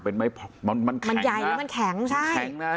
เป็นไม้มันมันแข็งมันใหญ่แล้วมันแข็งใช่แข็งนะ